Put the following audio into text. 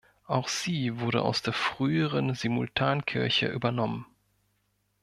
Auch sie wurde aus der früheren Simultankirche übernommen.